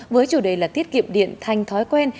với chủ đề là tiết kiệm điện thành thói quen